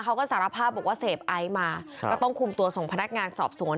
เขาก็สารภาพบอกว่าเสพไอซ์มาก็ต้องคุมตัวส่งพนักงานสอบสวน